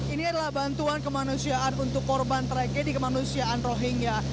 ini adalah bantuan kemanusiaan untuk korban tragedi kemanusiaan rohingya